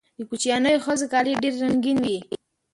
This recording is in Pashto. د کوچیانیو ښځو کالي ډیر رنګین وي.